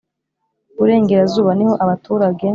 Iburengerazuba niho abaturage